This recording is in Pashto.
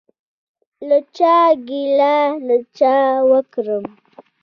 له چا ګیله له چا وکړم؟